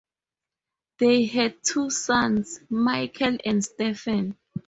They had two sons, Michael and Stephen.